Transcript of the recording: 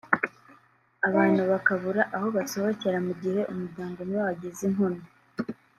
abantu bakabura aho basohokera mu gihe umuryango umwe wagize inkomyi